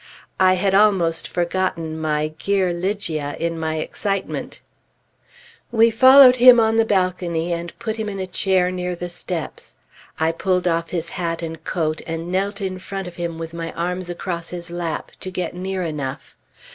I had almost forgotten my "gear Lygia" in my excitement. We followed him on the balcony and put him in a chair near the steps. I pulled off his hat and coat, and knelt in front of him with my arm across his lap, to get near enough.